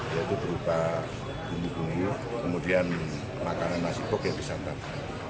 yaitu berupa bumi bumi kemudian makanan nasi pok yang disantap